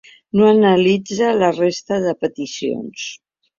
No analitza la resta de peticions.